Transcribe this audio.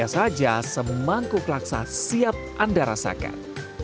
saja semangkuk laksa siap anda rasakan